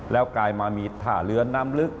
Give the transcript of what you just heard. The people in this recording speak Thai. แล้วกลายมามีท่าเรือน้ำลึก